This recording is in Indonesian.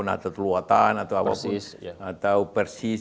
nahdlatul wataan atau persis